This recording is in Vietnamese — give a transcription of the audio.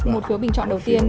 một phiếu bình chọn đầu tiên